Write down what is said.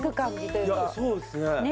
いやそうですね。